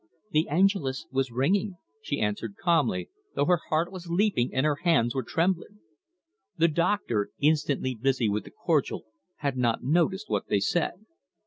"The Angelus was ringing," she answered calmly, though her heart was leaping and her hands were trembling. The doctor, instantly busy with the cordial, had not noticed what they said.